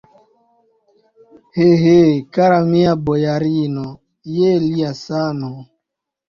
He, he, kara mia bojarino, je lia sano!